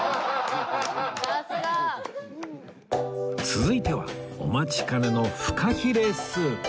続いてはお待ちかねのフカヒレスープ